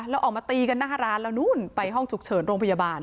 แล้วออกมาตีกันหน้าร้านแล้วนู่นไปห้องฉุกเฉินโรงพยาบาล